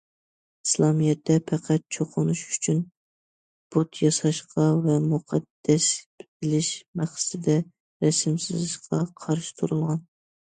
ئىسلامىيەتتە پەقەت چوقۇنۇش ئۈچۈن بۇت ياساشقا ۋە مۇقەددەس بىلىش مەقسىتىدە رەسىم سىزىشقا قارشى تۇرۇلغان.